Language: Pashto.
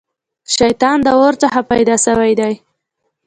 شيطان د اور څخه پيدا سوی دی